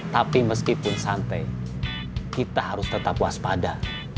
tapi meskipun santai kita harus tetap waspada